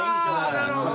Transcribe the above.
あなるほど。